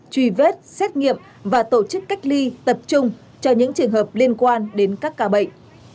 truy vết xét nghiệm và tổ chức cách ly tập trung cho những trường hợp liên quan đến các ca bệnh